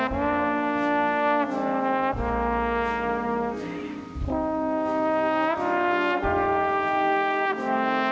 โปรดติดตามต่อไป